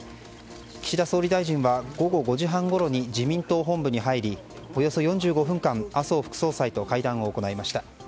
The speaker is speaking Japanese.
岸田総理大臣は午後５時半ごろに自民党本部に入りおよそ４５分間麻生副総裁と会談を行いました。